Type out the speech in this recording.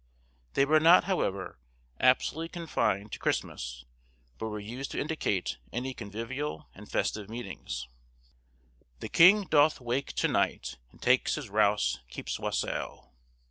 They were not, however, absolutely confined to Christmas, but were used to indicate any convivial and festive meetings:— "The king doth wake to night, and takes his rouse, Keeps wassel."